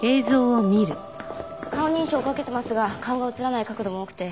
顔認証をかけてますが顔が映らない角度も多くて。